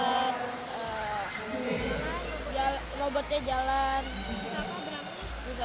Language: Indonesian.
kamu ingin bikin robot sendiri nggak sih